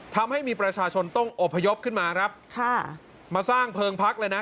ทำให้มีประชาชนต้องอบพยพขึ้นมาครับค่ะมาสร้างเพลิงพักเลยนะ